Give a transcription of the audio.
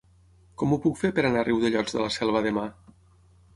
Com ho puc fer per anar a Riudellots de la Selva demà?